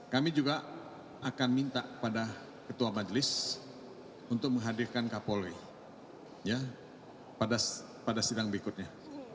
kami juga akan minta pada ketua majelis untuk menghadirkan kapolri pada sidang berikutnya